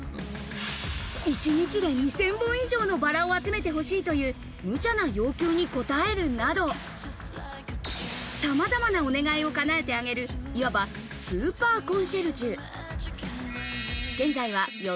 一日で２０００本以上のバラを集めて欲しいという無茶な要求に応えるなど、さまざまなお願いを叶えてあげる、いわばスーパーコンシェルジュ。